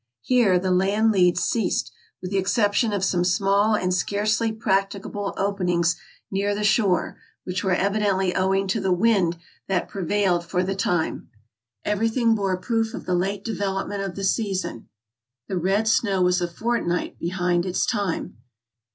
Here the land leads ceased, with the exception of some small and scarcely practicable openings near the shore, which were evidently owing to the wind that prevailed for the time. Everything bore proof of the late development of the season. The red snow was a fortnight behind its time.